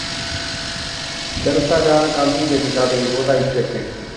Bertara, galbiderik gabe igo daiteke.